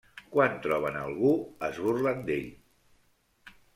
Quan troben a algú es burlen d’ell.